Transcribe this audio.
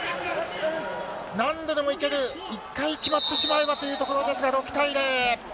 何度でもいける、１回決まってしまえばというところですが、６対０。